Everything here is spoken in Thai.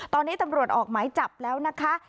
ตอนนี้ตำรวจออกหมายจับแล้วนะคะ